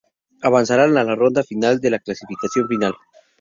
Avanzarán a la ronda final de la clasificatoria final.